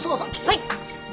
はい！